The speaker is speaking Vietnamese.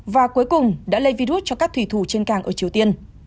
và cuối cùng đã lây virus cho các thủy thủ trên cảng ở triều tiên